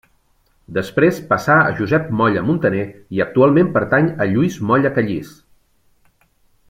Després passà a Josep Molla Muntaner i actualment pertany a Lluís Molla Callís.